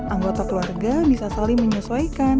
anggota keluarga bisa saling menyesuaikan